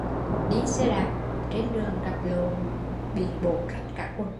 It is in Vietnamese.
Đi xe đạp trên đường gặp lộ hủng bị bổ rách cả quần